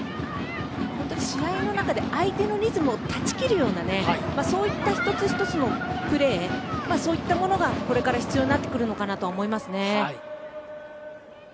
試合の中で相手のリズムを断ち切るようなそういった１つ１つのプレーがこれから必要になってくるのかと思いますね。